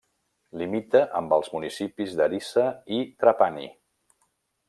Limita amb els municipis d'Erice i Trapani.